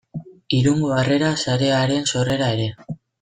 Irungo Harrera Sarearen sorrera ere.